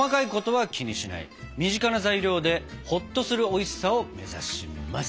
身近な材料でホッとするおいしさを目指します。